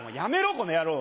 この野郎。